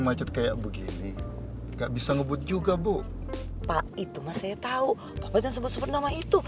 macet kayak begini nggak bisa ngebut juga bu pak itu masih tahu bahwa jangan sebut nama itu